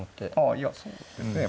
あいやそうですね。